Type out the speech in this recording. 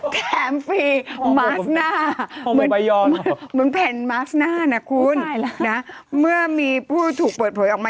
เหมือนแผ่นมาสต์หน้านะคุณไ่แล้วน่ะเมื่อมีผู้ถูกเปิดโผลยออกมา